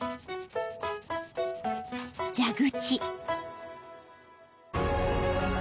［蛇口］